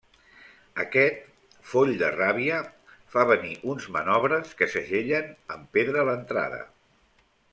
Aquest, foll de ràbia fa venir uns manobres que segellen amb pedra l'entrada.